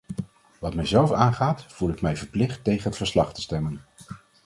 Wat mijzelf aangaat voel ik mij verplicht tegen het verslag te stemmen.